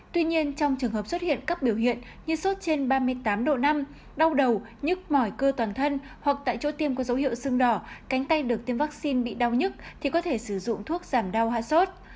tuy nhiên trong trường hợp xuất hiện các biểu hiện như sốt trên ba mươi tám độ năm đau đầu nhức mỏi cơ toàn thân hoặc tại chỗ tiêm có dấu hiệu sưng đỏ cánh tay được tiêm vaccine bị đau nhức thì có thể sử dụng thuốc giảm đau hạ sốt